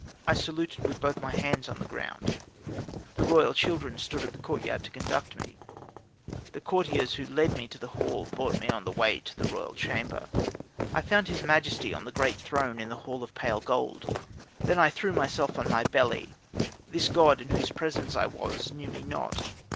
I saluted with both my hands on the ground; the royal children stood at the courtyard to conduct me: the courtiers who were to lead me to the hall brought me on the way to the royal chamber. I found his Majesty on the great throne in the hall of pale gold. Then I threw myself on my belly; this god, in whose presence I was, knew me not.